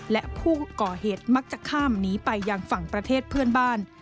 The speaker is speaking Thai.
และผู้ก่อเหตุมักจะข้ามหนีไปยังฝั่งประเทศเพื่อนบ้าน